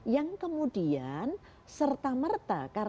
yang kemudian serta merta